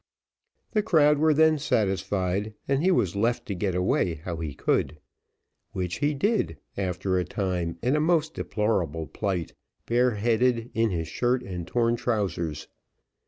The crowd were then satisfied, and he was left to get away how he could, which he did, after a time, in a most deplorable plight, bare headed, in his shirt and torn trousers.